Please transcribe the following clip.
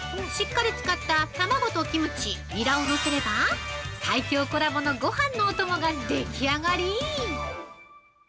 しっかり漬かった卵とキムチニラを載せれば最強コラボのごはんのおともが出来上がり！